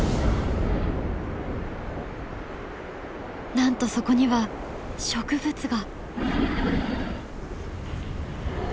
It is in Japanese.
なんとそこには植物が！